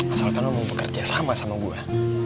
asalkan lo mau bekerja sama sama gue